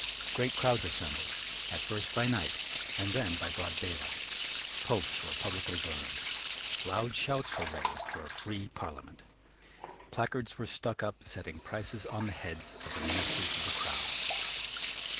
Great crowds assembled at first by night, and then by broad daylight. Popes were publicly burned: loud shouts were raised for a free Parliament: placards were stuck up setting prices on the heads of the ministers of the crown.